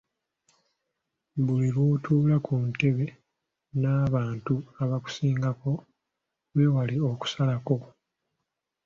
Buli lw’otuula ku ntebe n’abantu abakusinga weewale “okusalako”.